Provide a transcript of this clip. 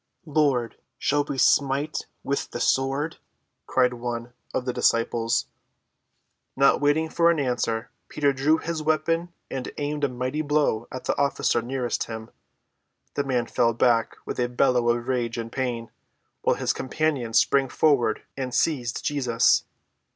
"Lord, shall we smite with the sword?" cried one of the disciples. Not waiting for an answer, Peter drew his weapon and aimed a mighty blow at the officer nearest him. The man fell back with a bellow of rage and pain, while his companions sprang forward and seized Jesus.